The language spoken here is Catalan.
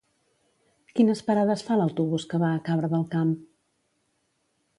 Quines parades fa l'autobús que va a Cabra del Camp?